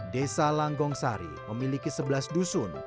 desa langgong sari memiliki sebelas dusun